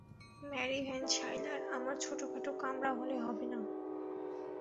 Mary Van Schuyler, আমার ছোটখাট কামরা হলে হবে না!